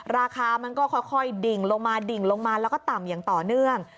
ราคามันก็ค่อยดิ่งลงมาดิ่งลงมาแล้วก็ต่ำอย่างต่อเนื่อง